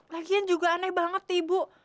lagian juga aneh banget ibu